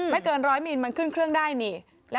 ไม่เกิน๑๐๐มิลลิเมตรมันขึ้นเครื่องได้นี่